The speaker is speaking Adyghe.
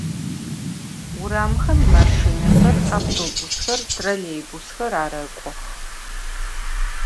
Vuramxem maşşinexer, avtobusxer, trollêybusxer arek'ox.